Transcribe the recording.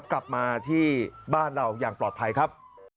กลับมาที่บ้านเราอย่างปลอดภัยครับ